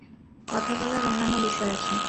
কথা বলার অন্যান্য বিষয় আছে।